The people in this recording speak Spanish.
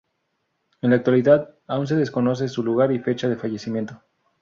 En la actualidad, aun se desconoce su lugar y fecha de fallecimiento.